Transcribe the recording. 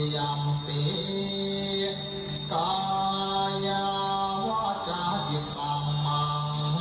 อาจารย์มิกกี้จะไปไหว้สาวลาล่าทันย่าเพราะว่าเปลี่ยนไม่อะไร